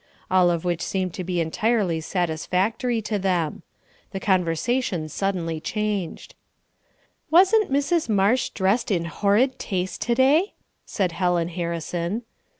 All of which seemed to be entirely satisfactory to them. The conversation suddenly changed. "Wasn't Mrs. Marsh dressed in horrid taste today?" said Helen Harrison.